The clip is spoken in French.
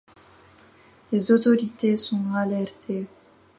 Les autorités sont alertées.